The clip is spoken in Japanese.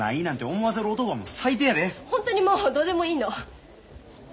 本当にもうどうでもいいの。